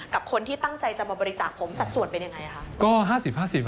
กับคนที่ตั้งใจจะมาบริจาคผมสัดส่วนเป็นยังไงคะ